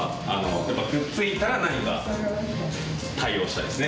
やっぱりくっついたら何か対応したいですね。